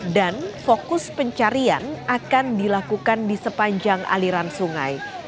dan fokus pencarian akan dilakukan di sepanjang aliran sungai